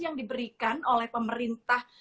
yang diberikan oleh pemerintah